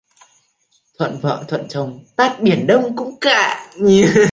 Thuận vợ thuận chồng, tát biển Đông cũng cạn.